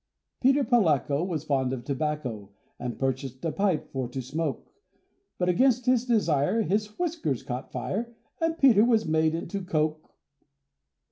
Peter Polacko Was fond of tobacco, And purchased a pipe for to smoke. But against his desire His whiskers caught fire, And Peter was made into coke.